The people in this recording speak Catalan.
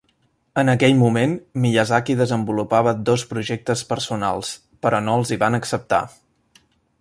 En aquell moment, Miyazaki desenvolupava dos projectes personals, però no els hi van acceptar.